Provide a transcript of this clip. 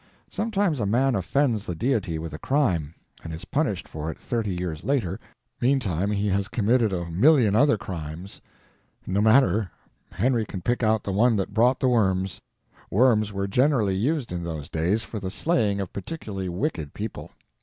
Sometimes a man offends the Deity with a crime, and is punished for it thirty years later; meantime he has committed a million other crimes: no matter, Henry can pick out the one that brought the worms. Worms were generally used in those days for the slaying of particularly wicked people.